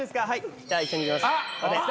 じゃあ一緒にいきます。